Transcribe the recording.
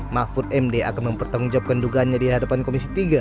mahfud md akan mempertanggungjawabkan dugaannya di hadapan komisi tiga